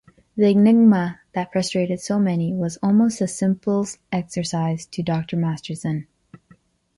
The enigma that frustrated so many was almost a simples exercise to Dr. Masterson.